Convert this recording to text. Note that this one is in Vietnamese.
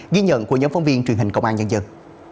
ghi nhận của nhóm phóng viên truyền hình công an nhân dân